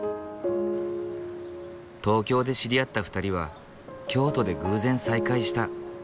東京で知り合った２人は京都で偶然再会した。